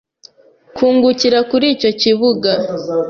kungukira kuri icyo kibuga